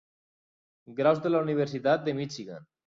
graus de la Universitat de Michigan.